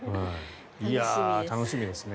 楽しみですね。